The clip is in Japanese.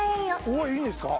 おいいんですか。